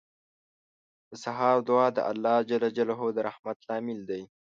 • د سهار دعا د الله د رحمت لامل دی.